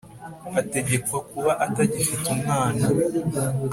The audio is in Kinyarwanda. Ategekwa kuba atagifite umwana